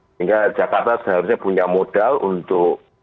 sehingga jakarta seharusnya punya modal untuk